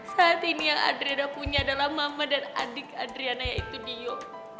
saat ini yang adrida punya adalah mama dan adik adriana yaitu dio